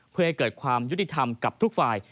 เพื่อให้เกิดความยุติธรรมกับทุกฝ่าย